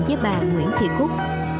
với bà nguyễn thị cúc